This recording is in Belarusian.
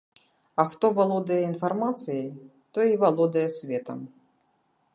А хто валодае інфармацыяй, той і валодае светам.